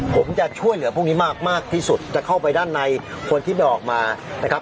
ผมจะช่วยเหลือพวกนี้มากมากที่สุดจะเข้าไปด้านในคนที่ไม่ออกมานะครับ